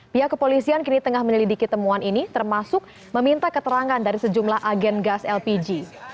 pihak kepolisian kini tengah menyelidiki temuan ini termasuk meminta keterangan dari sejumlah agen gas lpg